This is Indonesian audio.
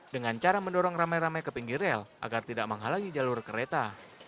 dengan cara mendorong ramai ramai ke pinggir rel agar tidak menghalangi jalur kereta